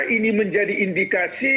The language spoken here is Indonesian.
ini menjadi indikasi